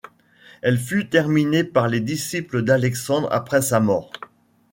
Elle fut terminée par les disciples d'Alexandre après sa mort.